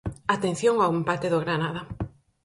Atención ao empate do Granada.